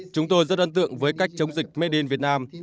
chúng tôi rất ấn tượng với cách chống dịch medin việt nam